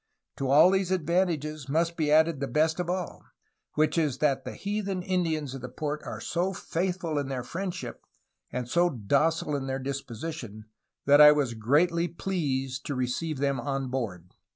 To all these advantages must be added the best of all, which is that the heathen Indians of the port are so faithful in their freindship and so docile in their dis position that I was greatly pleased to receive them on board."